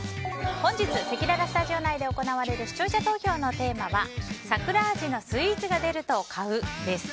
本日、せきららスタジオ内で行われる視聴者投票のテーマは桜味のスイーツが出ると買うです。